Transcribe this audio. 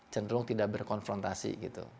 cenderung tidak berkonfrontasi gitu